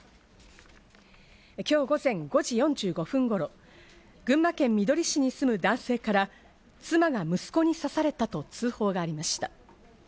今日午前５時４５分頃、群馬県みどり市に住む男性から妻が息子に刺されたと通報がありました。